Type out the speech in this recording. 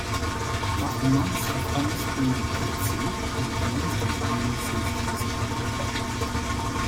After months of Thomas being away at sea, he returns and finally sees Elizabeth.